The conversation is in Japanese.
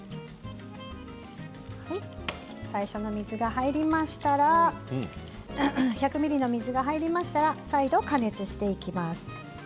最初の水が入りましたら１００ミリリットルの水が入りましたら再度、加熱していきます。